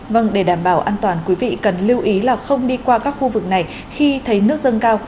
vâng để đảm bảo an toàn quý vị cần lưu ý là không đi qua các khu vực này khi thấy nước dâng cao